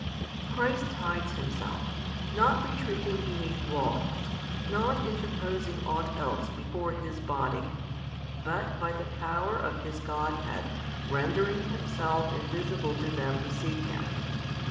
Christ hides Himself, not retreating beneath walls, not interposing ought else before His Body, but by the power of His Godhead rendering Himself invisible to them who seek Him.